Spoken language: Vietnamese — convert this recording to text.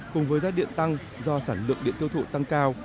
cùng với giá điện tăng do sản lượng điện tiêu thụ tăng cao